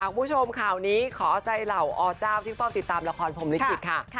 สำหรับผู้ชมข่าวนี้ขอใจเหล่าอเจ้าที่ติดตามละครผมลิขิตค่ะ